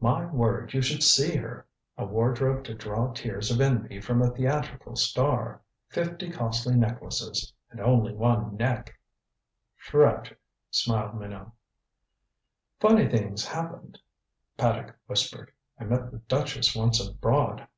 My word you should see her! A wardrobe to draw tears of envy from a theatrical star. Fifty costly necklaces and only one neck!" "Tragic," smiled Minot. "Funny thing's happened," Paddock whispered. "I met the duchess once abroad.